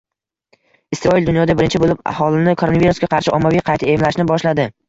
Isroil dunyoda birinchi bo‘lib aholini koronavirusga qarshi ommaviy qayta emlashni boshladi